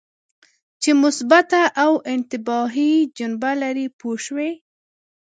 چې مثبته او انتباهي جنبه لري پوه شوې!.